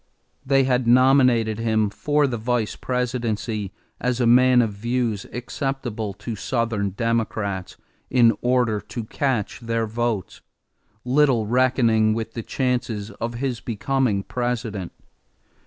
They had nominated him for the vice presidency as a man of views acceptable to Southern Democrats in order to catch their votes, little reckoning with the chances of his becoming President.